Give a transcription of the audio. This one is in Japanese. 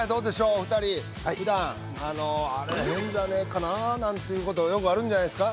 お二人普段あれ変じゃねえかななんていうことよくあるんじゃないですか？